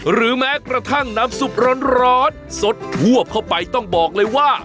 หรือแม้กระทั่งน้ำซุปร้อนสดพวบเข้าไปต้องบอกเลยว่า